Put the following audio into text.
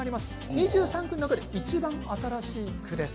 ２３区の中でいちばん新しい区です。